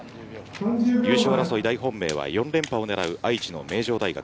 優勝争い大本命は４連覇を狙う愛知の名城大学。